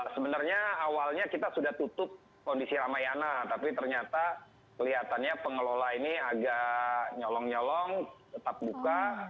sebenarnya awalnya kita sudah tutup kondisi ramayana tapi ternyata kelihatannya pengelola ini agak nyolong nyolong tetap buka